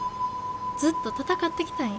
ずっと戦ってきたんよ。